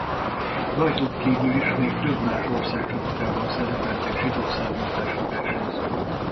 Rajtuk kívül is még több más ország csapatában szerepeltek zsidó származású versenyzők.